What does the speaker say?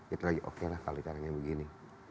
itu lagi oke lah kalau caranya begini